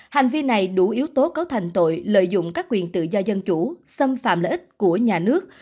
hành vi này đủ yếu tố cấu thành tội lợi dụng các quyền tự do dân chủ xâm phạm lợi ích của nhà nước